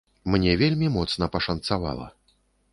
Мне вельмі моцна пашанцавала.